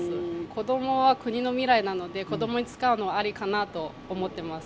子どもは国の未来なので、子どもに使うのはありかなと思っています。